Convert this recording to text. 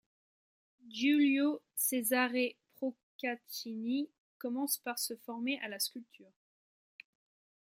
Giulio Cesare Procaccini commence par se former à la sculpture.